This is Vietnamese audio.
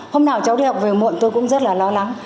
hôm nào cháu đi học về muộn tôi cũng rất là lo lắng